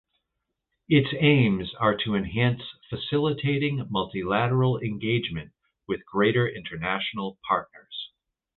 Its aims are to enhance facilitating multilateral engagement with greater international partners.